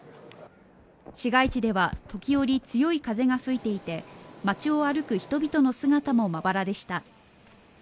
市街地ではときおり、強い風が吹いていて街を歩く人の姿もまばらでした。